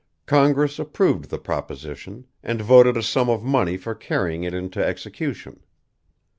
Congress approved the proposition, and voted a sum of money for carrying it into execution.